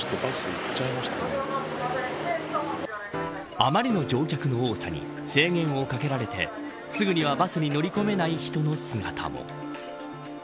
あまりの乗客の多さに制限をかけられて、すぐにはバスに乗り込めない人の姿も。